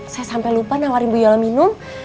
saya sampai lupa nawarin bu yola minum